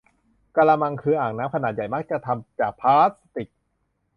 กะละมัง คืออ่างน้ำขนาดใหญ่ มักจะทำจากพลาสติก